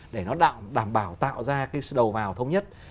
để nó đảm bảo tạo ra cái đầu vào thông nhất